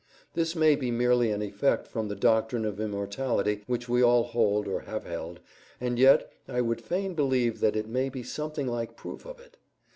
This may be merely an effect from the doctrine of immortality which we all hold or have held, and yet I would fain believe that it may be something like proof of it.